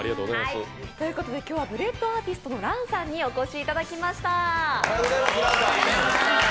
今日はブレッドアーティストのＲａｎさんにお越しいただきました。